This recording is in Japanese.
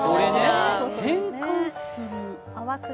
変換する？